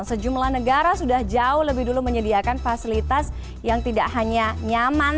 sejumlah negara sudah jauh lebih dulu menyediakan fasilitas yang tidak hanya nyaman